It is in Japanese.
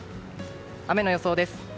雨の予想です。